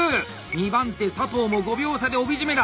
２番手佐藤も５秒差で帯締めだ！